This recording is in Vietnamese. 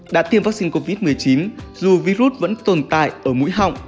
đã tiêm vaccine covid một mươi chín dù virus vẫn tồn tại ở mũi họng